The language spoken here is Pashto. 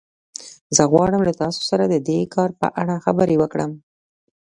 زه غواړم له تاسو سره د دې کار په اړه خبرې وکړم